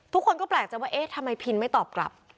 ทุกคนก็แปลกใจว่าเอ๊ะทำไมพินไม่ตอบกลับ